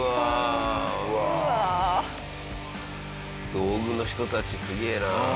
道具の人たちすげえな。